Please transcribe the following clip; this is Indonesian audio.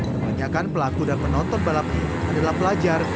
kebanyakan pelaku dan penonton balap ini adalah pelajar